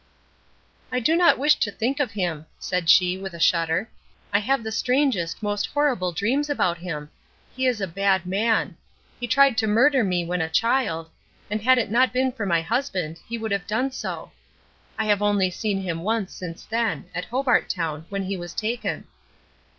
"I do not wish to think of him," said she, with a shudder. "I have the strangest, the most horrible dreams about him. He is a bad man. He tried to murder me when a child, and had it not been for my husband, he would have done so. I have only seen him once since then at Hobart Town, when he was taken."